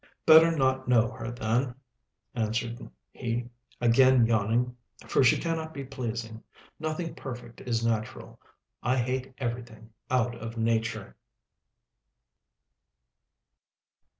"Better not know her then," answered he, again yawning, "for she cannot be pleasing. Nothing perfect is natural, I hate everything out of nature."